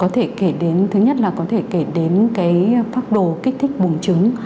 thứ nhất là có thể kể đến phác đồ kích thích bùng trứng